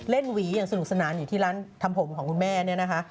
หวีอย่างสนุกสนานอยู่ที่ร้านทำผมของคุณแม่เนี่ยนะคะ